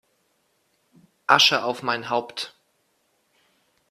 Asche auf mein Haupt